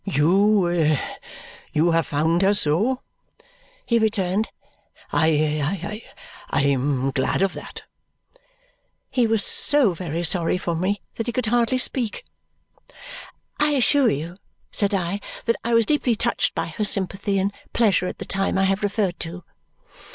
"You you have found her so?" he returned. "I I am glad of that." He was so very sorry for me that he could scarcely speak. "I assure you," said I, "that I was deeply touched by her sympathy and pleasure at the time I have referred to."